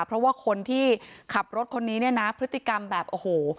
เพราะว่าคนที่ขับรถคนนี้เนี่ยนะพฤติกรรมแบบโอ้โห